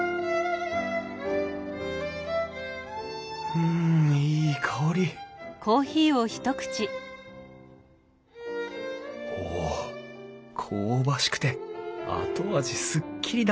うんいい香りお香ばしくて後味スッキリだ！